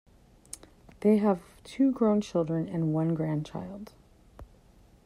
They have two grown children and one grandchild.